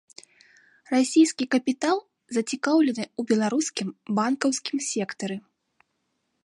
Расійскі капітал зацікаўлены ў беларускім банкаўскім сектары.